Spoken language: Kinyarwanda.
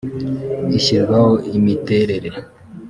ishyirwaho imiterere